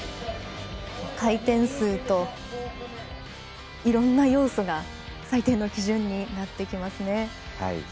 回転数といろんな要素が採点の基準になってきます。